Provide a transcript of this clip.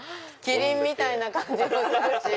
キリンみたいな感じもするし。